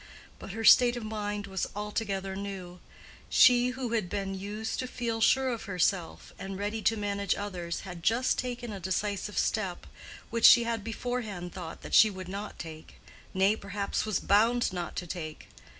But her state of mind was altogether new: she who had been used to feel sure of herself, and ready to manage others, had just taken a decisive step which she had beforehand thought that she would not take—nay, perhaps, was bound not to take.